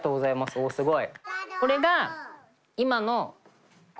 おすごい。